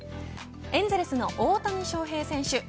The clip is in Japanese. エンゼルスの大谷翔平選手